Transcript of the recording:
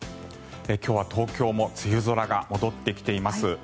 今日は東京も梅雨空が戻ってきています。